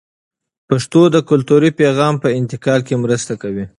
پښتو د کلتوري پیغام په انتقال کې مرسته کوي.